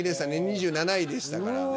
２７位でしたからね。